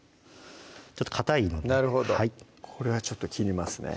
ちょっとかたいのでなるほどこれはちょっと切りますね